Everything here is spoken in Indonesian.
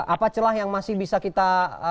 apa celah yang masih bisa kita